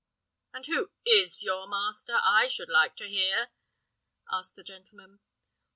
"And who is your master? I should like to hear," asked the gentleman.